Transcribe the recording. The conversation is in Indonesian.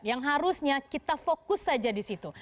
yang harusnya kita fokus saja di situ